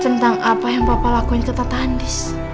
tentang apa yang papa lakuin ke tante andis